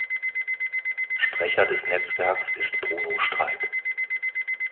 Sprecher des Netzwerks ist Bruno Streit.